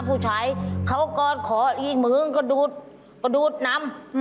ผู้ชายเขาก่อนขอมื้นกระดูดนำ